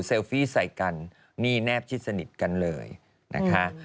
ฟี่ใส่กันนี่แนบชิดสนิทกันเลยนะคะ